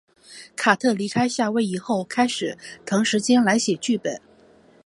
卡特离开夏威夷后开始腾时间来写剧本。